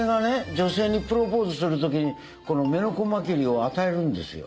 女性にプロポーズするときにこのメノコマキリを与えるんですよ。